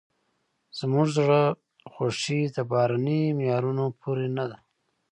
زموږ زړه خوښي د بهرني معیارونو پورې نه ده.